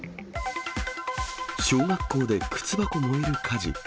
小学校で靴箱燃える火事。